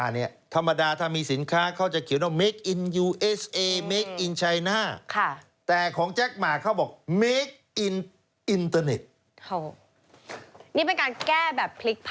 นี่เป็นการแก้แบบพลิกภาพลักษณ์ได้เลยนะ